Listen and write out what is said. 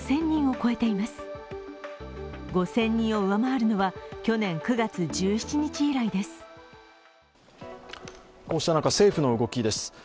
５０００人を上回るのは去年９月１７日以来です。